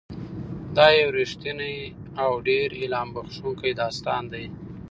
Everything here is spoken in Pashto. دا یو رښتینی او ډېر الهام بښونکی داستان دی.